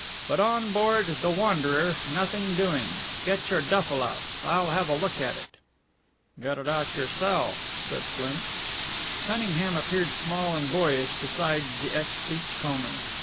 But on board the Wanderer, nothing doing. Get your duffel out. I'll have a look at it." "Get it yourself," said Flint. Cunningham appeared small and boyish beside the ex beachcomber.